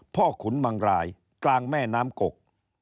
ขุนมังรายกลางแม่น้ำกก